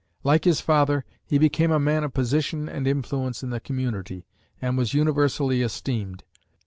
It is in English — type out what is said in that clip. Like his father, he became a man of position and influence in the community, and was universally esteemed.